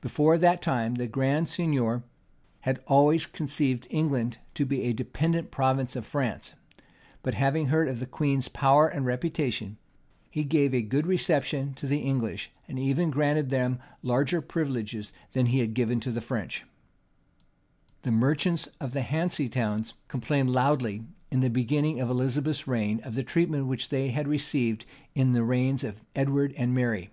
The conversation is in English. Before that time, the grand seignior had always conceived England to be a dependent province of France;[] but having heard of the queen's power and reputation, he gave a good reception to the English, and even granted them larger privileges than he had given to the French. * Camden, p. 493. Birch's Memoirs, vol. i. p. 36 The merchants of the Hanse Towns complained loudly, in the beginning of Elizabeth's reign, of the treatment which they had received in the reigns of Edward and Mary.